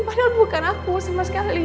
padahal bukan aku sama sekali